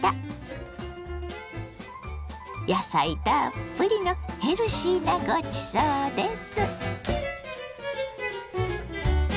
野菜たっぷりのヘルシーなごちそうです。